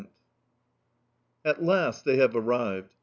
22nd June. AT last they have arrived.